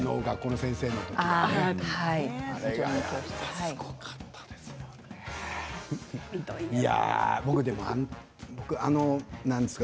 学校の先生とかすごかったですもんね。